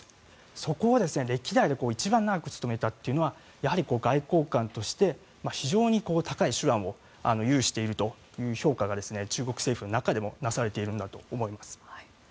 そこを歴代で一番長く務めたというのはやはり外交官として非常に高い手腕を有しているという評価が中国政府の中でもなされているんだと思います。